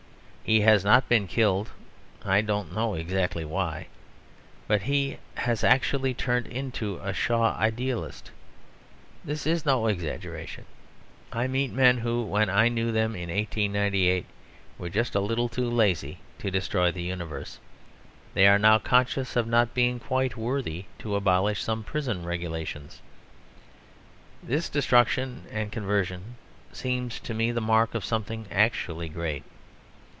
He has not been killed (I don't know exactly why), but he has actually turned into a Shaw idealist. This is no exaggeration. I meet men who, when I knew them in 1898, were just a little too lazy to destroy the universe. They are now conscious of not being quite worthy to abolish some prison regulations. This destruction and conversion seem to me the mark of something actually great.